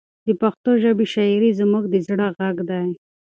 د پښتو ژبې شاعري زموږ د زړه غږ دی.